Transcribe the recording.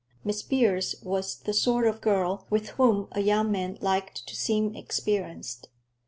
Miss Beers was the sort of girl with whom a young man liked to seem experienced.